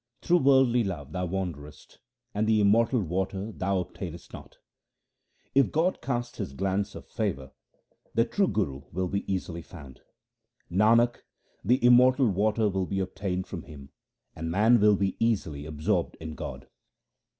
Through worldly love thou wanderest, and the immortal water thou obtainest not. t SIKH. II 248 THE SIKH RELIGION If God cast His glance of favour, the true Guru will be easily found. Nanak, the immortal water will be obtained from him, and man will be easily absorbed in God.